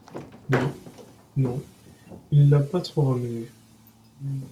Non, non, il l’a pas trop ramenée.